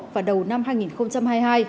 và đầu năm hai nghìn hai mươi hai